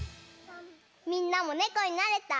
みんなもねこになれた？